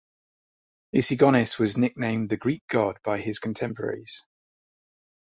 Issigonis was nicknamed "the Greek god" by his contemporaries.